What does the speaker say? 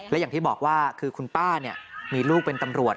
และอย่างที่บอกว่าคือคุณป้ามีลูกเป็นตำรวจ